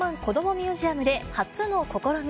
ミュージアムで初の試み。